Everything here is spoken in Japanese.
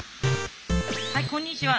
はいこんにちは。